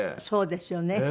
そうですよね。